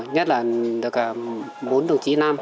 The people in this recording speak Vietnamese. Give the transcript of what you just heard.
nhất là được cả bốn đồng chí nam